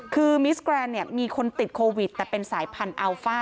คือมิสแกรนด์เนี่ยมีคนติดโควิดแต่เป็นสายพันธุ์อัลฟ่า